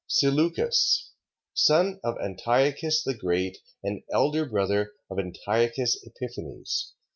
Seleucus... Son of Antiochus the Great, and elder brother of Antiochus Epiphanes.